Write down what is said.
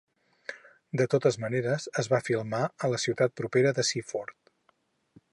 De totes maneres, es va filmar a la ciutat propera de Seaford.